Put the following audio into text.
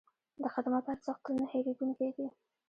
د خدمت ارزښت تل نه هېرېدونکی دی.